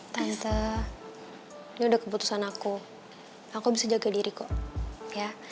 tante ini udah keputusan aku aku bisa jaga diri kok ya